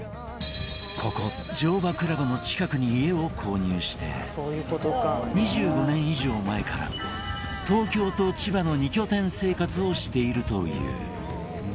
ここ、乗馬クラブの近くに家を購入して２５年以上前から東京と千葉の２拠点生活をしているという。